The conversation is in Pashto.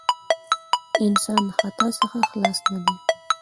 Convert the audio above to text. انسان د خطاء څخه خلاص نه دی.